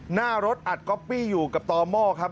หน้ารถอัดก๊อปปี้อยู่กับต่อหม้อครับ